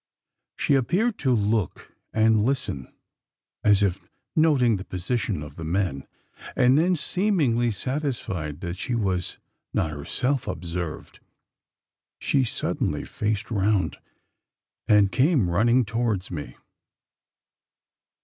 She appeared to look and listens as if noting the position of the men; and then, seemingly satisfied that she was not herself observed, she suddenly faced round, and came running towards me!